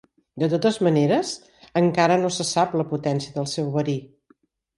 De totes maneres, encara no se sap la potència del seu verí.